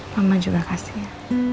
mama juga kasih ya